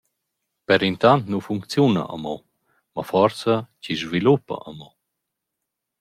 Per intant nu funcziuna amo, mo forsa chi’s sviluppa amo.